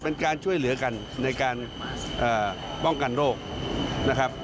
เป็นการช่วยเหลือกันในการป้องกันโรคนะครับ